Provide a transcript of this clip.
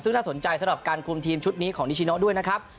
ซึ่งน่าสนใจสำหรับการคุมทีมชุดนี้ของนิชิโนด้วยนะครับ